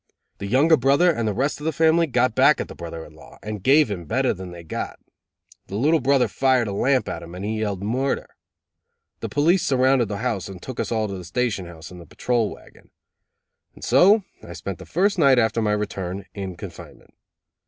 The younger brother and the rest of the family got back at the brother in law and gave him better than they got. The little brother fired a lamp at him, and he yelled "murder". The police surrounded the house and took us all to the station house in the patrol wagon. And so I spent the first night after my return in confinement.